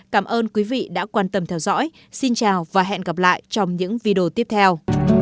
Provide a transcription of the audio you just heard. cảm ơn quý vị đã quan tâm theo dõi xin chào và hẹn gặp lại trong những video tiếp theo